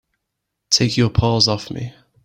Take your paws off me!